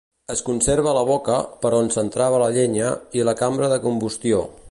Es conserva la boca, per on s'entrava la llenya, i la cambra de combustió.